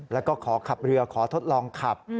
แล้วก็ขอขับเรือขอทดลองขับ